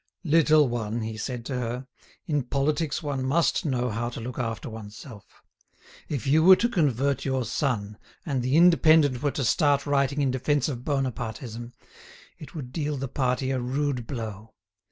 "Little one," he said to her, "in politics one must know how to look after one's self. If you were to convert your son, and the 'Indépendant' were to start writing in defence of Bonapartism, it would deal the party a rude blow.